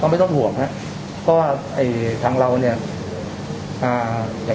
ก็ไม่ต้องห่วงนะก็ทางเราเนี้ยอ่า